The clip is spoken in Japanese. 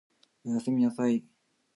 お休みなさい